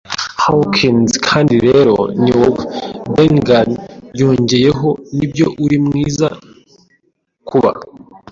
Hawkins. Kandi rero ni wowe, Ben Gunn! ” yongeyeho. “Nibyo, uri mwiza, kuba